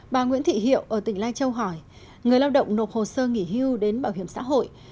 bà nguyễn thị hiệu ở tỉnh lai châu hỏi người lao động nộp hồ sơ nghỉ hưu đến bảo hiểm xã hội